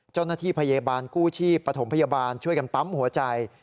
เจ้าหน้าที่พยาบาลกู้ชีพปฐมพยาบาลช่วยกันปั๊มหัวใจ